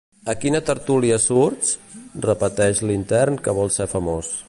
A quina tertúlia surts? —repeteix l'intern que vol ser famós.